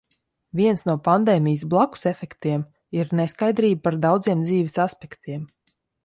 Viens no pandēmijas "blakusefektiem" ir neskaidrība par daudziem dzīves aspektiem.